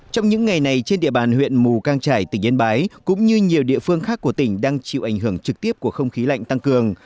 trong những ngày này trên địa bàn huyện mù cang trải tỉnh yên bái cũng như nhiều địa phương khác của tỉnh đang chịu ảnh hưởng trực tiếp của không khí lạnh tăng cường